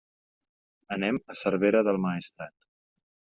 Anem a Cervera del Maestrat.